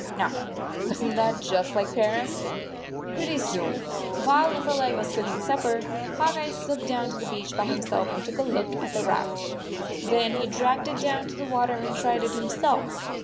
Now, was n t that just like parents ? Pretty soon, while Limberleg was cook ing supper, Hawk Eye slipped down to the beach by himself and took a look at the raft. Theri\he dragged it down to the water and tried it himself.